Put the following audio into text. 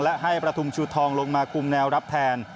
และให้ประทุมชูทองลงมาคุมแนวรับแทน